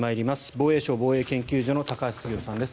防衛省防衛研究所の高橋杉雄さんです。